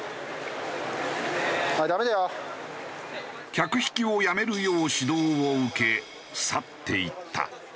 客引きをやめるよう指導を受け去っていった。